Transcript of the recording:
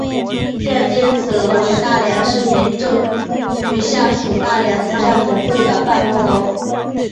现今此楼为大连市民政局下属大连慈善总会的办公楼。